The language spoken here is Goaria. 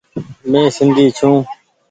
مين سندي ڇون۔